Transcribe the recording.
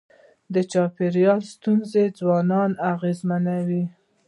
د چاپېریال ستونزې ځوانان اغېزمنوي.